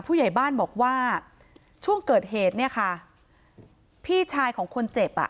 ผู้ใหญ่บ้านบอกว่าช่วงเกิดเหตุเนี่ยค่ะพี่ชายของคนเจ็บอ่ะ